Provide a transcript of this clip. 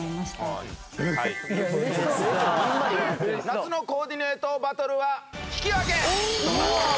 夏のコーディネートバトルは引き分け！